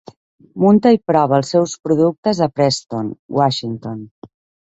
Munta i prova els seus productes a Preston, Washington.